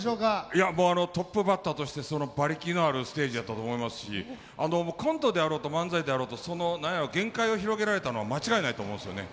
いやもうあのトップバッターとしてその馬力のあるステージやったと思いますしコントであろうと漫才であろうとその何やろ限界を広げられたのは間違いないと思うんですよね。